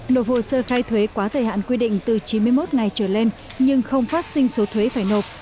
nộp hồ sơ khai thuế quá thời hạn quy định từ chín mươi một ngày trở lên nhưng không phát sinh số thuế phải nộp